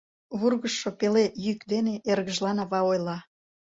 Вургыжшо пеле йӱк дене эргыжлан ава ойла.